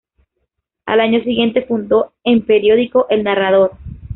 Al año siguiente fundó en periódico "El Narrador".